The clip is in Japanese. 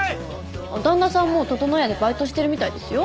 旦那さんもととの屋でバイトしてるみたいですよ。